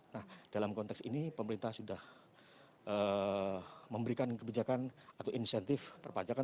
nah dalam konteks ini pemerintah sudah memberikan kebijakan atau insentif perpajakan